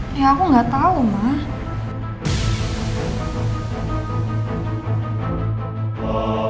ya aku gak tau mah